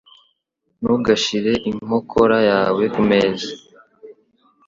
Ntugashyire inkokora yawe kumeza.